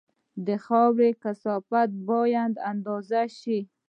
د خاورې کثافت باید اندازه شي